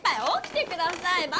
おきてください。